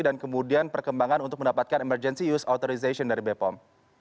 dan kemudian perkembangan untuk mendapatkan emergency use authorization dari bepom